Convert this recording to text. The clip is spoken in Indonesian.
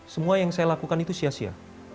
semua yang saya lakukan itu sia sia